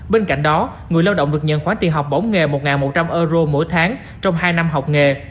bên cạnh đó người lao động được nhận khoản tiền học bổng nghề một một trăm linh euro mỗi tháng trong hai năm học nghề